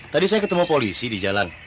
tadi saya ketemu polisi di jalan